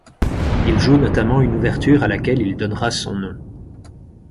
Il joue notamment une ouverture à laquelle il donnera son nom.